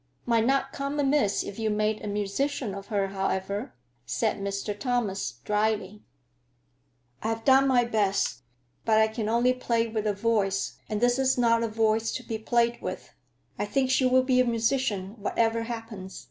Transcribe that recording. "Might not come amiss if you made a musician of her, however," said Mr. Thomas dryly. "I have done my best. But I can only play with a voice, and this is not a voice to be played with. I think she will be a musician, whatever happens.